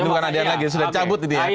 ini bukan adegan lagi sudah cabut ini ya